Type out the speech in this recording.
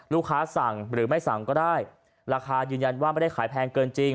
สั่งหรือไม่สั่งก็ได้ราคายืนยันว่าไม่ได้ขายแพงเกินจริง